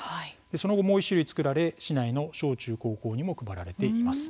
その後もう１種類作られ市内の小中高校にも配られています。